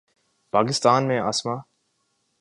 پاکستان میں اسما